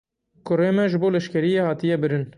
Kurê me ji bo leşkeriyê hatiye birin.